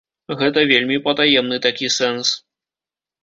Гэта вельмі патаемны такі сэнс.